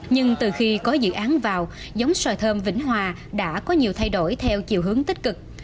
nhưng từ khi có dự án vào giống xoài thơm vĩnh hòa đã có nhiều thay đổi theo chiều hướng tích cực